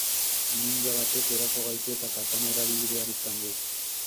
Ninja batek eraso gaitu eta katana erabili behar izan dut.